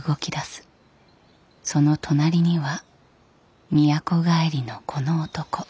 その隣には都帰りのこの男。